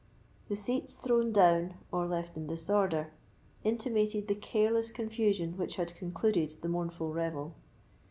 The seats thrown down, or left in disorder, intimated the careless confusion which had concluded the mournful revel.